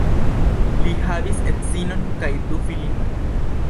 Li havis edzinon kaj du filinojn.